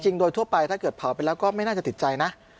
โดยทั่วไปถ้าเกิดเผาไปแล้วก็ไม่น่าจะติดใจนะ